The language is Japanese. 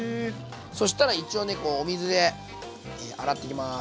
そしたら一応ねお水で洗っていきます。